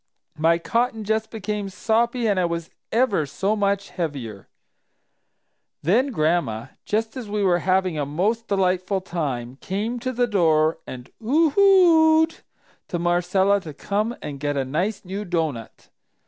My cotton just became soppy and I was ever so much heavier! Then Gran'ma, just as we were having a most delightful time, came to the door and 'Ooh hooed' to Marcella to come and get a nice new doughnut.